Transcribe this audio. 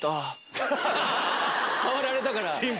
触られたから。